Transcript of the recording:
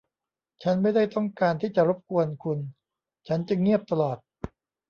ฉันไม่ได้ต้องการที่จะรบกวนคุณ ฉันจึงเงียบตลอด